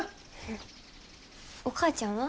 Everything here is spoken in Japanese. お母ちゃんは？